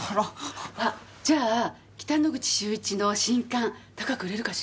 あっじゃあ北之口秀一の新刊高く売れるかしら？